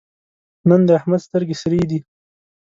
نن د احمد سترګې سرې دي.